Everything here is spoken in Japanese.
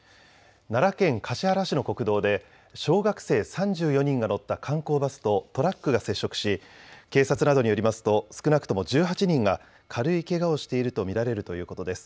奈良県橿原市の国道で小学生３４人が乗った観光バスとトラックが接触し警察などによりますと少なくとも１８人が軽いけがをしていると見られるということです。